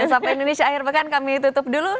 dan sampai indonesia akhir pekan kami tutup dulu